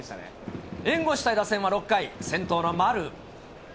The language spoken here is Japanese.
援護したい打線は６回、先頭の丸。